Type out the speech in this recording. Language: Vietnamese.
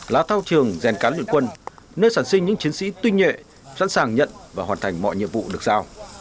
lá thao trường rèn cán luyện quân nơi sản sinh những chiến sĩ tuyên nhuệ sẵn sàng nhận và hoàn thành mọi nhiệm vụ được sao